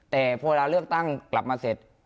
แต่พลเอกประยุทธตั้งกลับมาเสร็จ